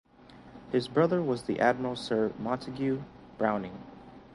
His brother was the Admiral Sir Montague Browning.